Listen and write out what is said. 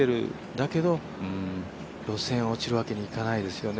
だけど、予選落ちるわけにはいかないですよね。